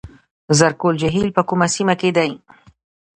زرکول جهیل په کومه سیمه کې دی؟